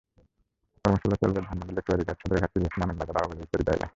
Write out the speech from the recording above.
কর্মশালা চলবে ধানমন্ডি লেক, সোয়ারীঘাট, সদরঘাট, চিড়িয়াখানা, আমিনবাজার, বাবুবাজার ইত্যাদি জায়গায়।